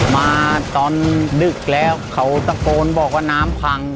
มาตอนดึกแล้วเขาตะโกนบอกว่าน้ำพัง